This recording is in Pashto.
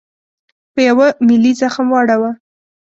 په یوه ملي زخم واړاوه.